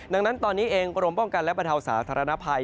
ดังนั้นตอนนี้เองกรมป้องกันและบรรเทาสาธารณภัย